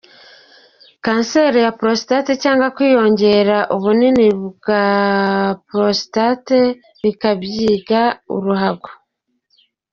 Kanseri ya prostate cyangwa kwiyongera ubunini kwa prostate bikabyiga uruhago.